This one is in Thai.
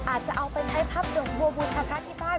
อาจจะเอาไปใช้พับดอกบัวบูชาพระที่บ้าน